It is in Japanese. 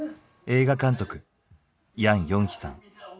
映画監督ヤンヨンヒさん。